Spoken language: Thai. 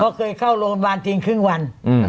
เพราะเคยเข้าโรงพยาบาลจริงครึ่งวัน